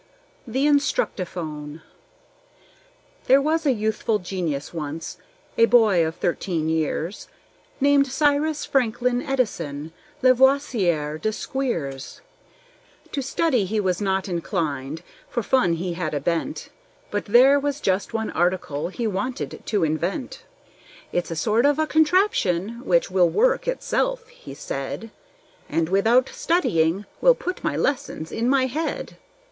The Instructiphone There was a youthful genius once, a boy of thirteen years, Named Cyrus Franklin Edison Lavoisier De Squeers. To study he was not inclined, for fun he had a bent; But there was just one article he wanted to invent. "It's a sort of a contraption which will work itself," he said, "And, without studying, will put my lessons in my head."